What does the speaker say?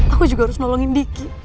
aku juga harus nolongin diki